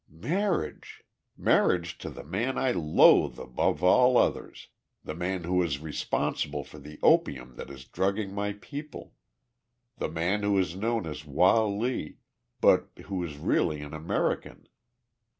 "Marriage! Marriage to the man I loathe above all others the man who is responsible for the opium that is drugging my people the man who is known as Wah Lee, but who is really an American."